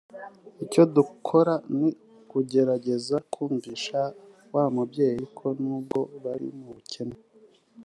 Icyo dukora ni ukugerageza kumvisha wa mubyeyi ko n’ubwo bari mu bukene